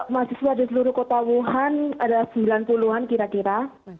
mahasiswa di seluruh kota wuhan ada sembilan puluh an kira kira